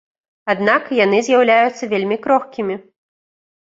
Аднак, яны з'яўляюцца вельмі крохкімі.